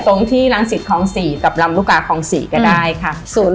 ตรงที่รังสิตคลอง๔กับลำลูกกาคลอง๔ก็ได้ค่ะ